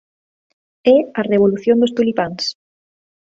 É a «Revolución dos Tulipáns».